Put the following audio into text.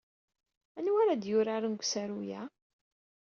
Anwa ara d-yuraren deg usaru-a?